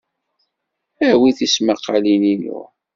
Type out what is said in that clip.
Awi tismaqalin-inu.